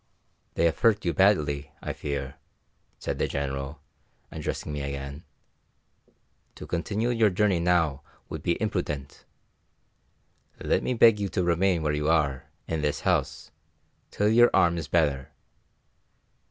"They have hurt you badly, I fear," said the General, addressing me again. "To continue your journey now would be imprudent. Let me beg of you to remain where you are, in this house, till your arm is better."